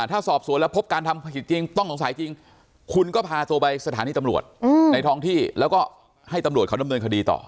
ถ้าสอบสวนแล้วพบการทำผิดจริงต้องสงสัยจริงคุณก็พาตัวไปสถานีตำรวจในท้องที่แล้วก็ให้ตำรวจเขาดำเนินคดีต่อ